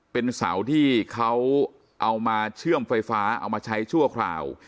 เป็นเสาที่เขาเอามาเชื่อมไฟฟ้าเอามาใช้ชั่วคราว